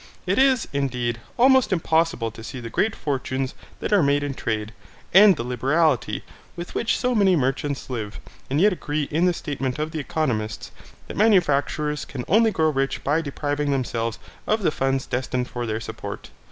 It is, indeed, almost impossible to see the great fortunes that are made in trade, and the liberality with which so many merchants live, and yet agree in the statement of the economists, that manufacturers can only grow rich by depriving themselves of the funds destined for their support.